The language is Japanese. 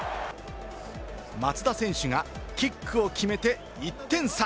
松田選手がキックを決めて１点差。